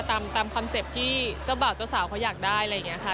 ตามคอนเซ็ปต์ที่เจ้าบ่าวเจ้าสาวเขาอยากได้อะไรอย่างนี้ค่ะ